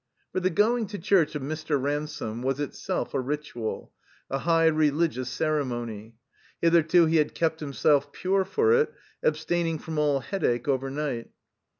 For the going to church of Mr. Ransome was it self a ritual, a high religious ceremony. Hitherto he had kept himself pure for it, abstaining from all Headache overnight.